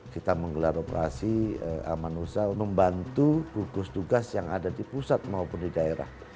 kita menggelar operasi amanusa membantu gugus tugas yang ada di pusat maupun di daerah